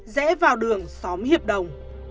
rẽ vào đường xóm hiệp hội